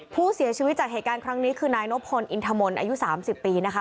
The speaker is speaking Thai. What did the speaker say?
ผู้เสียชีวิตจากเหตุการณ์ครั้งนี้คือนายนพลอินทมนต์อายุ๓๐ปีนะคะ